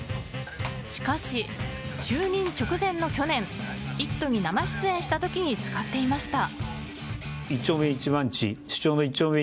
しかし、就任直前の去年「イット！」に生出演した時に使っていました。